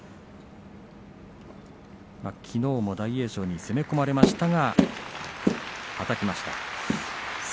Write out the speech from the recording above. きのうも大栄翔に攻め込まれましたがはたきました。